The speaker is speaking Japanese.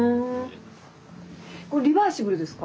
これリバーシブルですか？